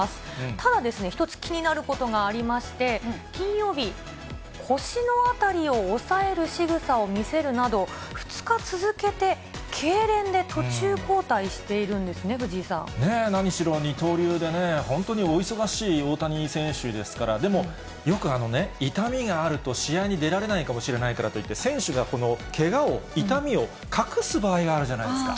ただ、１つ気になることがありまして、金曜日、腰の辺りを押さえるしぐさを見せるなど、２日続けてけいれんで途中交代しているんですね、何しろ二刀流でね、本当にお忙しい大谷選手ですから、でも、よく痛みがあると試合に出られないかもしれないからといって、選手がけがを、痛みを隠す場合があるじゃないですか。